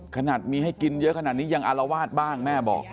ขนาดมีให้กินเยอะขนาดนี้ยังอารวาสบ้างแม่บอก